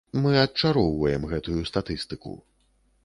Мы адчароўваем гэтую статыстыку.